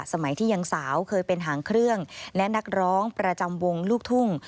สมัยที่ยังสาวเคยเป็นหางเครื่องและนักร้องประจำวงลูกทุ่ง